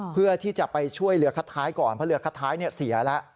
เพื่อที่จะไปช่วยเรือคัดท้ายก่อนเพราะเรือคัดท้ายเสียแล้ว